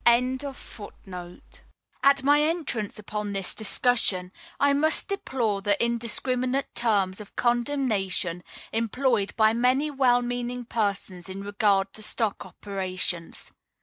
] At my entrance upon this discussion, I must deplore the indiscriminate terms of condemnation employed by many well meaning persons in regard to stock operations.